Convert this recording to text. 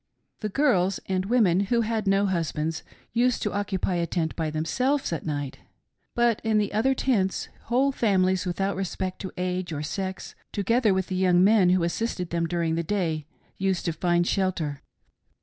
" The girls and women who had no husbands used to oc cupy a tent by themselves at night, but in the other tents, whole families, without respect to age or sex, together with the young men who assisted them during the day, used to find shelter.